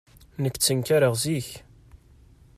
Nekk ttenkareɣ zik.